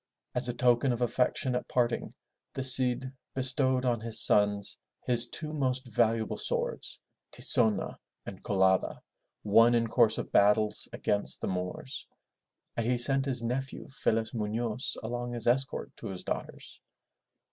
As a token of affection at parting, the Cid bestowed on his sons his two most valuable swords, Ti zo'na and Co la'da, won in course of battles against the Moors, and he sent his nephew, Felez Munoz, along as escort to his daughters.